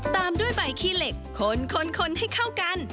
ตามด้วยใบขี้เหล็กคนให้เข้ากัน